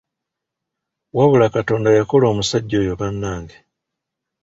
Wabula Katonda yakola omusajja oyo bannange.